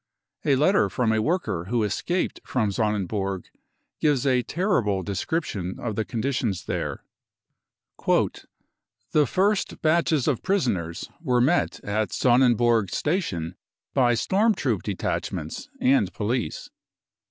5 A letter from a worker who escaped from Sonnenburg gives a terrible des cription of the conditions there :" The first batches %£ prisoners were met at Sonnenburg station by storm troop detachments and police.